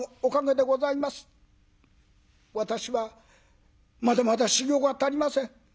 私はまだまだ修業が足りません。